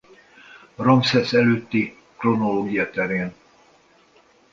Ramszesz előtti kronológia terén.